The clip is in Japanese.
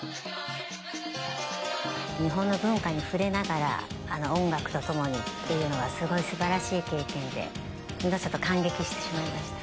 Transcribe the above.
日本の文化に触れながら音楽とともにっていうのはすごいすばらしい経験でほんとちょっと感激してしまいました。